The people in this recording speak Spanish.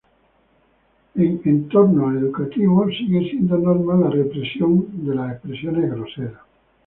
En entornos educativos sigue siendo norma la represión de las expresiones groseras.